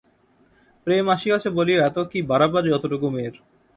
প্রেম আসিয়াছে বলিয়া এত কী বাড়াবাড়ি অতটুকু মেয়ের!